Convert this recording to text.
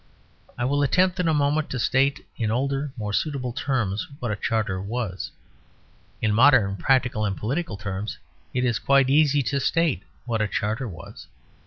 I will attempt in a moment to state in older, more suitable terms, what a charter was. In modern, practical, and political terms, it is quite easy to state what a charter was.